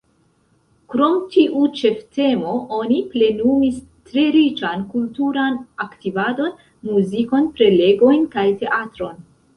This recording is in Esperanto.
Krom tiu ĉeftemo, oni plenumis tre riĉan kulturan aktivadon: muzikon, prelegojn kaj teatron.